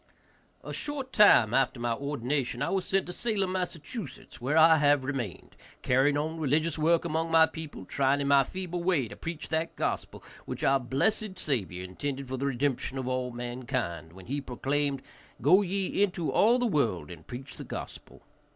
A short time after my ordination I was sent to Salem, Mass., where I have remained, carrying on religious work among my people, trying in my feeble way to preach that gospel which our blessed Saviour intended for the redemption of all mankind, when he proclaimed, "Go ye into all the world and preach the gospel."